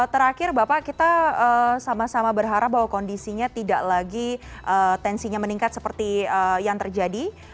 terakhir bapak kita sama sama berharap bahwa kondisinya tidak lagi tensinya meningkat seperti yang terjadi